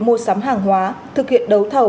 mua sắm hàng hóa thực hiện đấu thầu